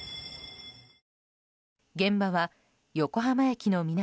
現場は横浜駅の南